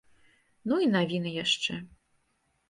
Ну і навіны яшчэ.